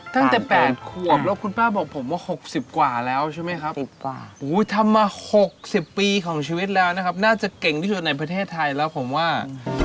ตั้งแต่๘ขวบแล้วคุณป้าบอกผมว่า๖๐กว่าแล้วใช่ไหมครับทำมา๖๐ปีของชีวิตแล้วนะครับน่าจะเก่งที่สุดในประเทศไทยแล้วผมว่า